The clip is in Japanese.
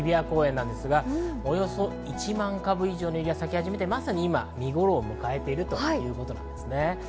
東京の日比谷公園ですが、およそ１万３０００株以上のユリが咲き始めて、まさに今、見頃を迎えているということなんですね。